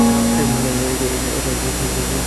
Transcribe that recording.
না, এটা ক্রিপ্টোর সবচেয়ে শক্তিশালী মুভ।